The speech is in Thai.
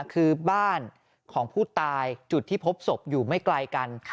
คือบ้านของผู้ตายจุดที่พบศพอยู่ไม่ไกลกัน